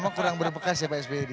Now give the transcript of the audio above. memang kurang berbekas ya pak sby